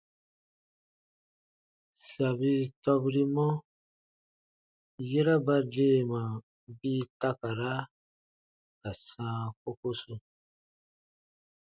Sabi tɔbirimɔ, yera ba deema bii takara ka sãa kokosu.